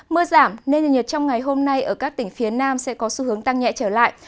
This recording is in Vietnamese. mưa giảm nên nhiệt trong ngày hôm nay ở các tỉnh phía nam sẽ có xu hướng tăng nhẹ trở lại